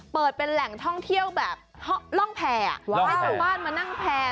เปิดเป็นแหล่งท่องเที่ยวแบบห้อร่องแพร่ร่องแพร่บ้านมานั่งแพร่